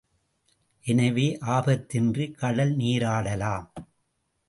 எனவே ஆபத்தின்றி கடல் நீராடலாம்.